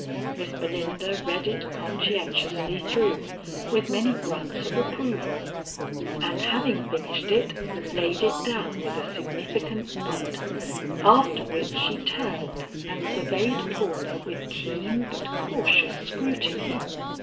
Miss Belinda read it conscientiously through, with many grunts of approval, and having finished it, laid it down with a significant nod, after which she turned and surveyed Paula with keen but cautious scrutiny.